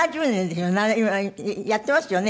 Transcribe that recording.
今やってますよね？